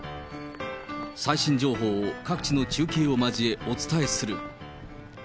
最新情報を各地の中継を交えお伝えする。